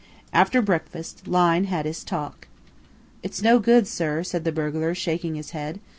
After breakfast, Lyne had his talk. "It's no good, sir," said the burglar, shaking his head.